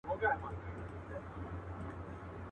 چي اعلان به مو جګړه را میداني کړه.